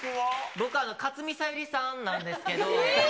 僕はかつみ・さゆりさんなんですけど。